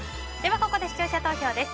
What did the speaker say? ここで視聴者投票です。